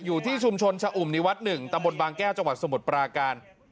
อยู่ที่ชุมชนชะอุ่มนิวัฏหนึ่งตะบนบางแก้จังหวัดสมุทรปรากาณ